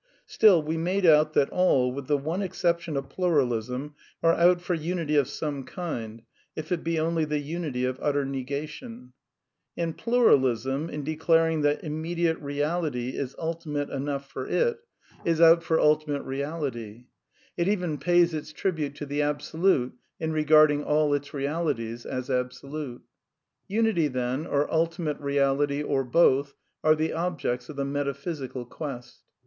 Still, we made out that all, with the one exception of Pluralism, are out for unity of some kind, if it be only the unity of utter negation. And Pluralism, in declaring that immediate realityisultiTflntp nnnuffhjfor it, is out for ulti "~ 240 THE NEW MYSTICISM 241 mate reality. It even pays its tribute to the Absolute in regarding all its realities as absolute. Unity, then, or Ultimate Keality, or both, are the ob jects of the metaphysical quest.